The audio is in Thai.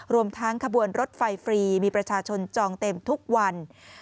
รวมทั้งขบวนรถไฟฟรีมีประชาชนจองเต็มทุกวัน